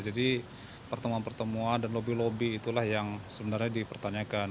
jadi pertemuan pertemuan dan lobby lobby itulah yang sebenarnya diperlukan